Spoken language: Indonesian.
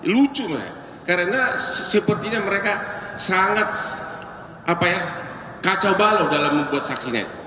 lucu karena sepertinya mereka sangat kacau bau dalam membuat saksinya